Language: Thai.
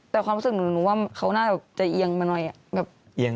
แต่ความรู้สึกหนูหนูว่าเขาน่าจะเอียงมาหน่อยอะ